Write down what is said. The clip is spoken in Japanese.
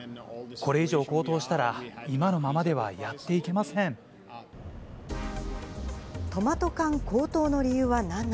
これ以上高騰したら、今のままではやっていけません。